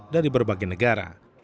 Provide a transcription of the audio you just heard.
dari berbagai negara